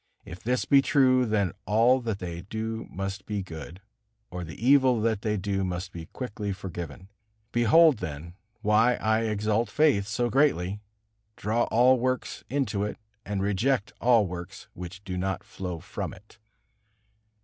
If this be true, then all that they do must be good, or the evil that they do must be quickly forgiven. Behold, then, why I exalt faith so greatly, draw all works into it, and reject all works which do not flow from it.